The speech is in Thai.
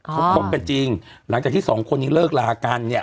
เขาคบกันจริงหลังจากที่สองคนนี้เลิกลากันเนี่ย